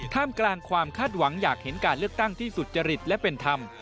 ท่ามกลางความคาดหวังอยากเห็นการเลือกตั้งที่สุจริตและเป็นธรรม